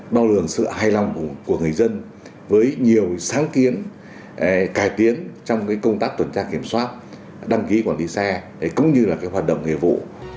đo lường sự hài lòng của người dân với nhiều sáng kiến cải tiến trong công tác tuần tra kiểm soát đăng ký quản lý xe cũng như là hoạt động nghề vụ